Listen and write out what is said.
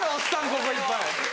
ここいっぱい。